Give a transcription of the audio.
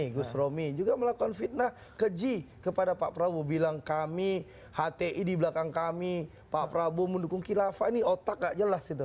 gus romi juga melakukan fitnah keji kepada pak prabowo bilang kami hti di belakang kami pak prabowo mendukung kilafah ini otak gak jelas itu